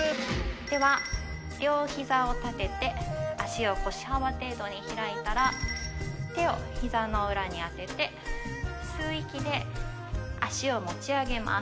では、両ひざを立てて、足を腰幅程度に開いたら、手をひざの裏に当てて、吸う息で足を持ち上げます。